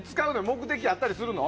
目的あったりするの？